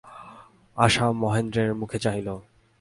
আশা মহেন্দ্রের মুখে চাহিল।